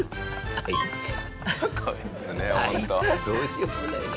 あいつどうしようもないな。